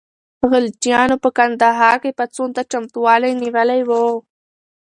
غلجیانو په کندهار کې پاڅون ته چمتووالی نیولی و.